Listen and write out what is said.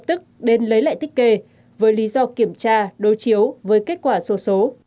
các đối tượng trả tiền rồi đưa cho đại lý tích kê với lý do kiểm tra đối chiếu với kết quả sổ số